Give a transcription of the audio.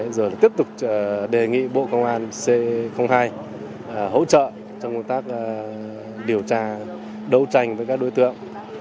rồi tiếp tục đề nghị bộ công an c hai hỗ trợ trong công tác điều tra đấu tranh với các đối tượng